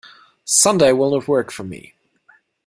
Sunday will not work for me.